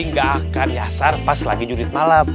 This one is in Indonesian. nggak akan nyasar pas lagi jurid malam